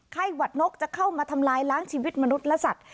หวัดนกจะเข้ามาทำลายล้างชีวิตมนุษย์และสัตว